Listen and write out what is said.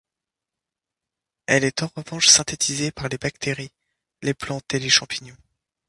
Elle est en revanche synthétisée par les bactéries, les plantes et les champignons.